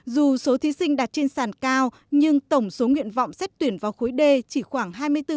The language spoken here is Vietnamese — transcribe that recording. dù số thí sinh đạt trên sàn cao nhưng tổng số nguyện vọng xét tuyển vào khối d chỉ khoảng hai mươi bốn